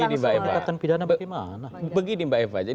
pendekatan pidana bagaimana